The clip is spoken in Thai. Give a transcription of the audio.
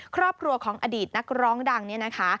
ครอบครัวของอดีตนักร้องดังเนี่ยนะคะ